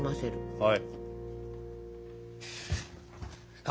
はい。